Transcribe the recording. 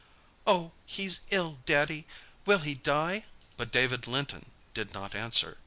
"Oh, he's ill, Daddy! Will he die?" But David Linton did not answer.